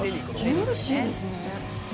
ジューシーですね。